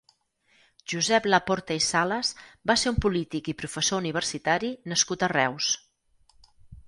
Josep Laporte i Salas va ser un polític i professor universitari nascut a Reus.